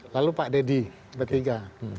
lalu pak deddy bertiga